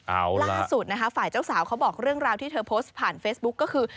เอาล่าสุดนะคะฝ่ายเจ้าสาวเขาบอกเรื่องราวที่เธอโพสต์ผ่านเฟซบุ๊คก็คือ